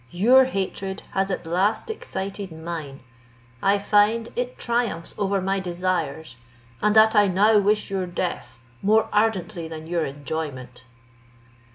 Your hatred has at last excited mine; I find it triumphs over my desires, and that I now wish your death more ardently than your enjoyment."